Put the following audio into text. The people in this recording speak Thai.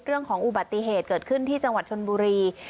เรื่องของอุบัติเหตุเกิดขึ้นที่จังหวัดชนบุรี